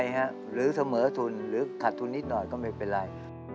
หรือเสมอทุนหรือขาดทุนนิดหน่อยก็ไม่เป็นไร